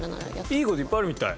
いい事いっぱいあるみたい。